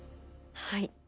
はい。